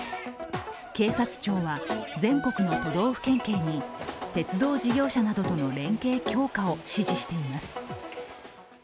警察庁は全国の都道府県警に鉄道事業者などとの連携強化を指示しています。